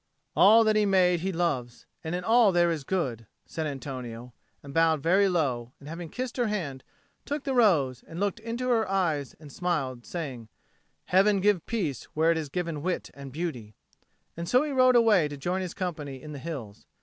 "All that He made He loves, and in all there is good," said Antonio, and he bowed very low, and, having kissed her hand, took the rose; and he looked into her eyes and smiled, saying, "Heaven give peace where it has given wit and beauty;" and so he rode away to join his company in the hills.